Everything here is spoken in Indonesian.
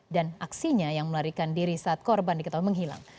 dan aksinya yang melarikan diri saat korban diketahui menghilang